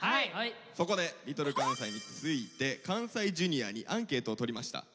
そこでＬｉｌかんさいについて関西Ｊｒ．にアンケートをとりました。